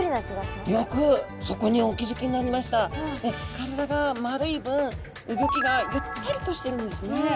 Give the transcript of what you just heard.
体が丸い分動きがゆったりとしてるんですね。